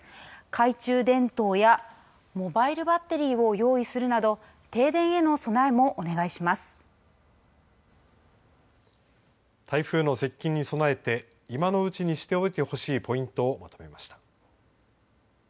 懐中電灯やモバイルバッテリーを用意するなど台風の接近に備えて今のうちにしておいてほしいポイントをまとめました。